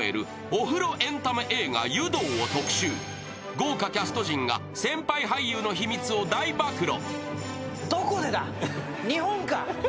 豪華キャスト陣が先輩俳優の秘密を大暴露。